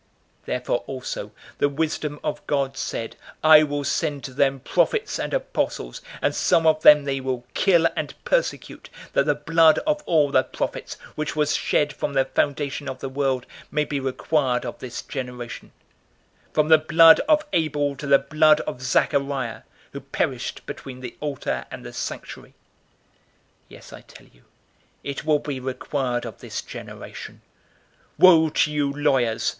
011:049 Therefore also the wisdom of God said, 'I will send to them prophets and apostles; and some of them they will kill and persecute, 011:050 that the blood of all the prophets, which was shed from the foundation of the world, may be required of this generation; 011:051 from the blood of Abel to the blood of Zachariah, who perished between the altar and the sanctuary.' Yes, I tell you, it will be required of this generation. 011:052 Woe to you lawyers!